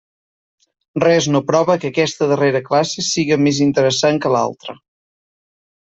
Res no prova que aquesta darrera classe siga més interessant que l'altra.